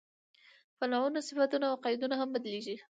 فعلونه، صفتونه او قیدونه هم بدلېږي.